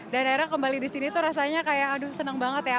dan akhirnya kembali disini tuh rasanya kayak aduh senang banget ya